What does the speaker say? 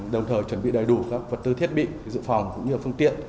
đồng thời chuẩn bị đầy đủ các vật tư thiết bị dự phòng cũng như phương tiện